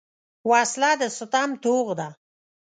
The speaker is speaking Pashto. وسله د ستم توغ ده